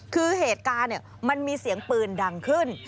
คือเหตุการณ์มันมีเสียงปืนดังขึ้น